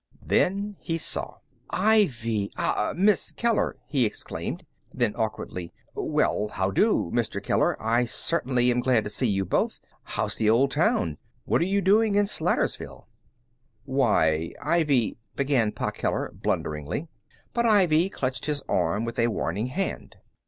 Then he saw. "Ivy! ah Miss Keller!" he exclaimed. Then, awkwardly: "Well, how do, Mr. Keller. I certainly am glad to see you both. How's the old town? What are you doing in Slatersville?" "Why Ivy " began Pa Keller, blunderingly. But Ivy clutched his arm with a warning hand.